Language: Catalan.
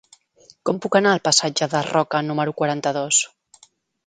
Com puc anar al passatge de Roca número quaranta-dos?